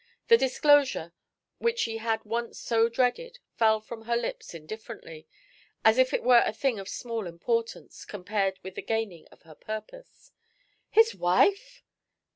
The disclosure, which she had once so dreaded, fell from her lips indifferently, as if it were a thing of small importance, compared with the gaining of her purpose. "His wife!"